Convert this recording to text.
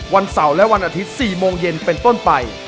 วันเสาร์และวันอาทิตย์๔โมงเย็นเป็นต้นไป